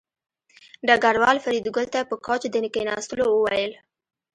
ډګروال فریدګل ته په کوچ د کېناستلو وویل